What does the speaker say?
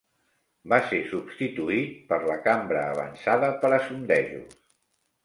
Va ser substituït per la Cambra avançada per a sondejos.